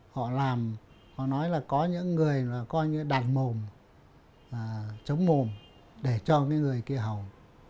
họ nói là có những người đàn mồm chống mồm để cho người kia hầu